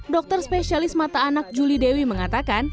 dokter spesialis mata anak juli dewi mengatakan